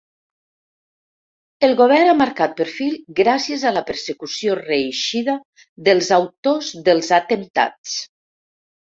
El govern ha marcat perfil gràcies a la persecució reeixida dels autors dels atemptats.